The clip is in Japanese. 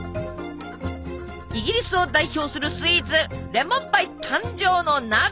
イギリスを代表するスイーツレモンパイ誕生の謎。